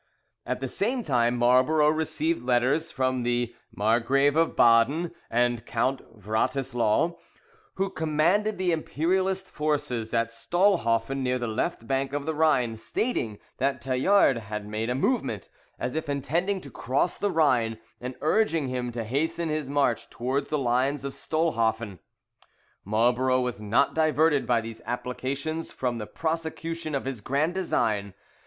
At the same time Marlborough received letters from the Margrave of Baden and Count Wratislaw, who commanded the Imperialist forces at Stollhoffen near the left bank of the Rhine, stating that Tallard had made a movement, as if intending to cross the Rhine, and urging him to hasten his march towards the lines of Stollhoffen. Marlborough was not diverted by these applications from the prosecution of his grand design.